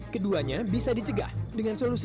keduanya bisa dicegah dengan solusi